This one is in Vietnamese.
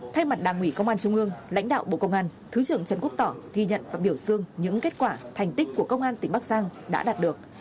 thay mặt đảng ủy công an trung ương lãnh đạo bộ công an thứ trưởng trần quốc tỏ ghi nhận và biểu dương những kết quả thành tích của công an tỉnh bắc giang đã đạt được